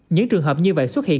những trường hợp như vậy xuất hiện